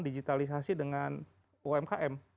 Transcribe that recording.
digitalisasi dengan umkm